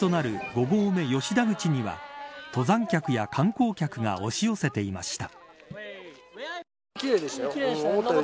５合目吉田口には登山客や観光客が押し寄せていました。